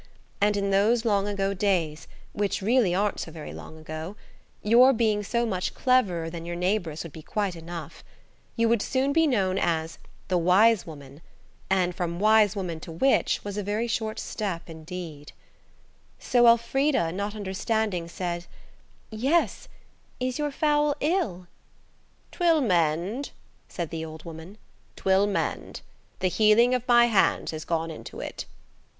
And in those long ago days–which really aren't so very long ago–your being so much cleverer than your neighbours would be quite enough. You would soon be known as the "wise woman"–and from "wise woman" to witch was a very short step indeed. "'I'VE BROUGHT YOU SOME TEA AND SUGAR,' SHE SAID." So Elfrida, not understanding, said, "Yes; is your fowl ill?" "'Twill mend," said the old woman,–"'twill mend. The healing of my hands has gone into it."